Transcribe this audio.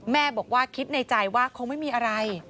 แม่บอกว่าคิดในใจว่าคงไม่มีอะไร